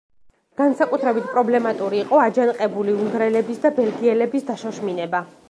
განსაკუთრებით პრობლემატური იყო აჯანყებული უნგრელების და ბელგიელების დაშოშმინება.